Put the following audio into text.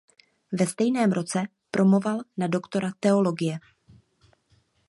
Ve stejném roce promoval na doktora teologie.